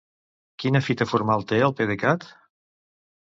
Quina fita formal té el PDECat?